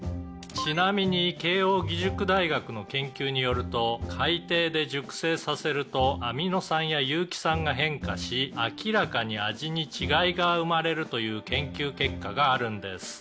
「ちなみに慶應義塾大学の研究によると海底で熟成させるとアミノ酸や有機酸が変化し明らかに味に違いが生まれるという研究結果があるんです」